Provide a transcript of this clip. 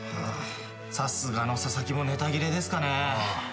さすがの佐々木もネタ切れですかね。